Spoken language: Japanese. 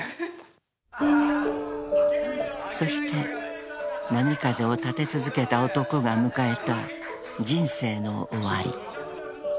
［そして波風を立て続けた男が迎えた人生の終わり］